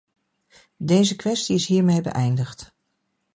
Deze kwestie is hiermee beëindigd.